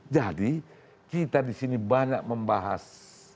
jadi kita disini banyak membahas